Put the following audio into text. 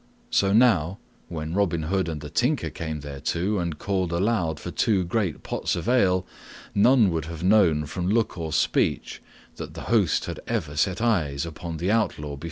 So now, when Robin Hood and the Tinker came thereto and called aloud for two great pots of ale, none would have known from look or speech that the host had ever set eyes upon the outlaw before.